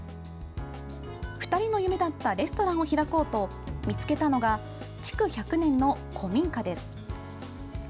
２人の夢だったレストランを開こうと見つけたのが築１００年の古民家です。